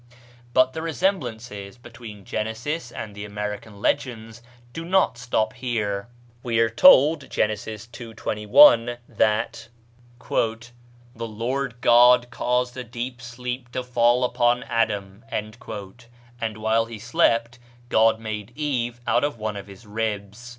But the resemblances between Genesis and the American legends do not stop here. We are told (Gen. ii., 21) that "the Lord God caused a deep sleep to fall upon Adam," and while he slept God made Eve out of one of his ribs.